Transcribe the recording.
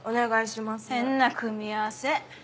変な組み合わせ。